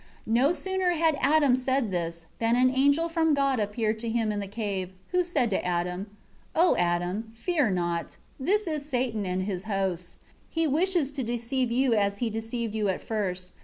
12 No sooner had Adam said this, than an angel from God appeared to him in the cave, who said to him, "O Adam, fear not. This is Satan and his hosts; he wishes to deceive you as he deceived you at first.